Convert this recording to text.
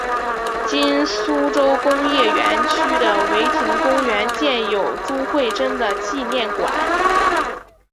今苏州工业园区的唯亭公园建有朱慧珍的纪念馆。